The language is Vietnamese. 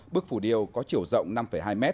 bức phủ điêu có chiều rộng năm hai m